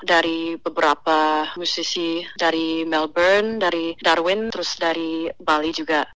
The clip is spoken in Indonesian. dari beberapa musisi dari melbourne dari darwin terus dari bali juga